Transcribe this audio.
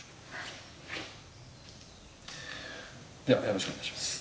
ではよろしくお願いします。